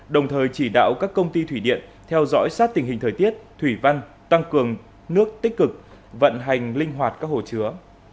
đồng thời chỉ đạo các công ty thủy điện theo dõi sát tình hình thời tiết thủy văn tăng cường nước tích cực vận hành linh hoạt các hồ chứa